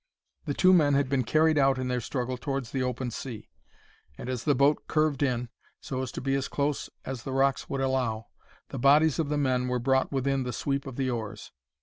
The two men had been carried out in their struggle towards the open sea; and as the boat curved in, so as to be as close as the rocks would allow, the bodies of the men were brought within the sweep of the oars.